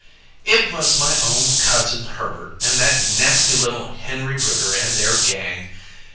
"It was my own cousin, Herbert, and that nasty little Henry Rooter and their gang.